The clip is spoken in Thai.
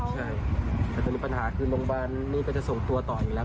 ใช่แต่จะมีปัญหาคือโรงพยาบาลนี่ก็จะส่งตัวต่ออยู่แล้ว